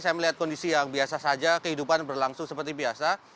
saya melihat kondisi yang biasa saja kehidupan berlangsung seperti biasa